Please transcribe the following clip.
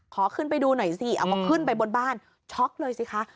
ขอขึ้นไปดูหน่อยสิเอาก็ขึ้นไปบนบ้านช็อกเลยสิคะ